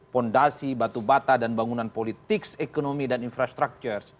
fondasi batu bata dan bangunan politik ekonomi dan infrastruktur